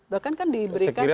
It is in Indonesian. bahkan kan diberikan dasarnya